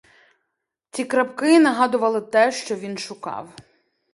Ці крапки нагадували те, що він шукав.